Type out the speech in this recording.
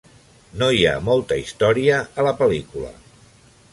No hi ha molta història a la pel·lícula...